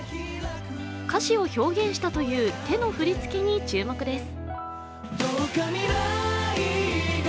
歌詞を表現したという手の振りつけに注目です。